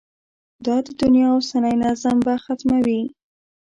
دا د دنیا اوسنی نظم به ختموي.